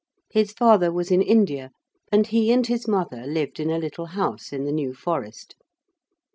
His father was in India, and he and his mother lived in a little house in the New Forest.